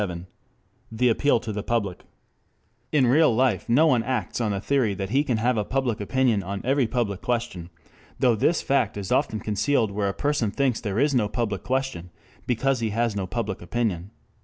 CHAPTER XXVII THE APPEAL TO THE PUBLIC 1 IN real life no one acts on the theory that he can have a public opinion on every public question, though this fact is often concealed where a person thinks there is no public question because he has no public opinion.